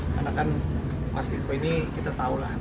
karena kan mas giko ini kita tahu lah